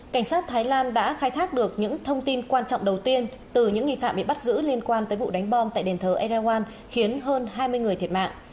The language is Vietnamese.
cảnh sát thái lan đã khai thác được những thông tin quan trọng đầu tiên từ những nghi phạm bị bắt giữ liên quan tới vụ đánh bom tại đền thờ errewan khiến hơn hai mươi người thiệt mạng